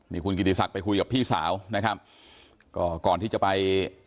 นี่คุณกิติศักดิ์ไปคุยกับพี่สาวนะครับก็ก่อนที่จะไป